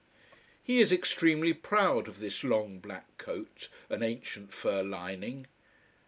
He is extremely proud of this long black coat and ancient fur lining.